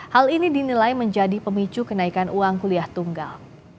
hal ini dinilai menjadi pemicu kenaikan uang kuliah tunggal